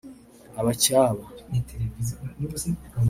abacyaba